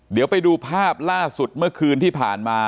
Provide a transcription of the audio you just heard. เดี๋ยวไปดูภาพล่าสุดเมื่อคืนที่ผ่านมา